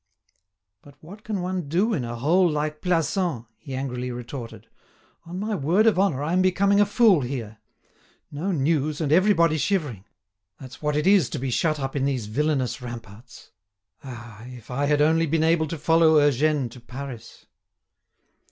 "But what can one do in a hole like Plassans!" he angrily retorted. "On my word of honour, I am becoming a fool here. No news, and everybody shivering! That's what it is to be shut up in these villainous ramparts. Ah! If I had only been able to follow Eugène to Paris!"